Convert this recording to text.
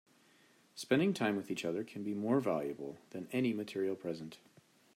Spending time with each other can be more valuable than any material present.